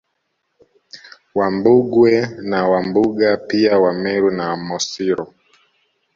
Wambugwe na Wambunga pia Wameru na Wamosiro